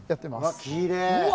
きれい！